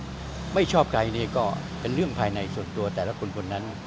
แล้วก็มีอะไรสมมุติใครจะไม่ชอบใครเนี่ยก็เป็นเรื่องภายในส่วนตัวแต่ละคุณคนนั้น